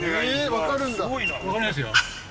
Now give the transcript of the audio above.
わかりますよ。